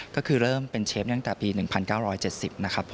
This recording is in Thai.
ก็คือเริ่มเป็นเชฟตั้งแต่ปี๑๙๗๐นะครับ